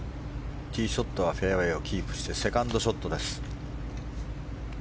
ティーショットはフェアウェーをキープしてセカンドショットです。